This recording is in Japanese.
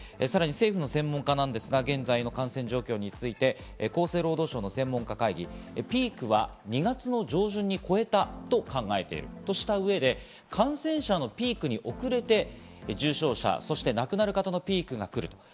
さらに政府の専門家ですが、現在の感染状況について、厚生労働省の専門家会議、ピークは２月の上旬に超えたと考えているとした上で、感染者のピークに遅れて、重症者、そして亡くなる方のピークが来る。